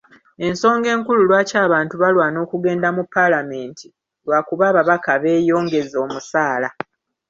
Ensonga enkulu lwaki abantu balwana okugenda mu Paalamenti lwakuba ababaka beeyongeza omusaala.